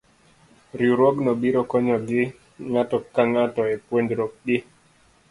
Riwruogno biro konyogi ng'ato ka ng'ato e puonjruok gi.